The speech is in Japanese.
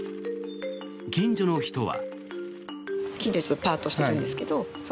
近所の人は。